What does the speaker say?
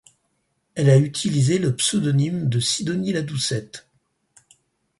Elle a utilisé le pseudonyme de Sidonie Ladoucette.